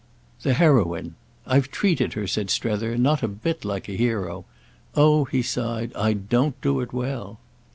"The heroine. I've treated her," said Strether, "not a bit like a hero. Oh," he sighed, "I don't do it well!"